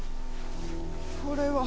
これは！